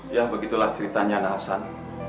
ya begitulah ceritanya nahasan